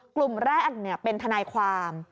กลุ่มแรกเป็นทนายความ